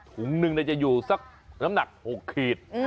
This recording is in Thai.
ถุงหนึ่งจะอยู่สักน้ำหนัก๖ขีด